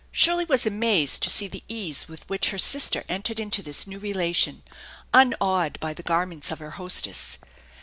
Shirley was amazed to see the ease with which her sister entered into this new relation, unawed by the garments of her hostess.